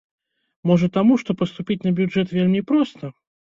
Можа таму, што паступіць на бюджэт вельмі проста?